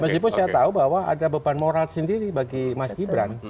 meskipun saya tahu bahwa ada beban moral sendiri bagi mas gibran